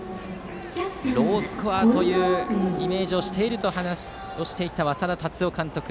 ロースコアとイメージしていると話していた稙田監督。